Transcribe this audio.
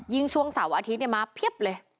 ยิงช่วงเสาร์อาทิศมาเพียบเลย